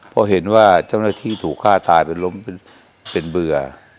เพราะเห็นว่าเจ้าหน้าที่ถูกฆ่าตายเป็นล้มเป็นเบื่อ